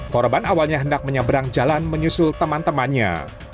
korban awalnya hendak menyeberang jalan menyusul teman temannya